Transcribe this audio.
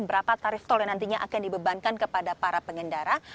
berapa tarif tol yang nantinya akan dibebankan kepada para pengendara